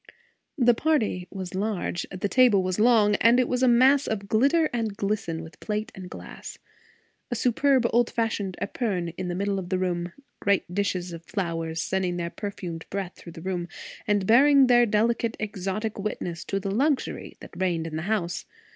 The party was large, the table was long; and it was a mass of glitter and glisten with plate and glass. A superb old fashioned épergne in the middle, great dishes of flowers sending their perfumed breath through the room, and bearing their delicate exotic witness to the luxury that reigned in the house.